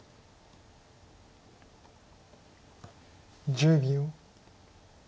１０秒。